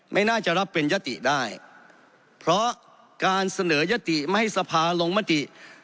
ไม่น่าจะรับเป็นยติได้เพราะการเสนอยติไม่ให้สภาลงมติ